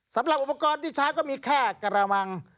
สำหรับอุปกรณ์ที่ใช้ก็มีแค่กระมัง